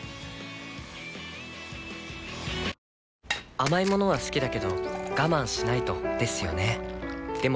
甘い物は好きだけど我慢しないとですよね